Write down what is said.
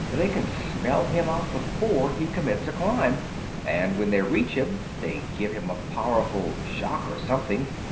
They can smell him out before he commits a crime. And when they reach him, they give him a powerful shock or something.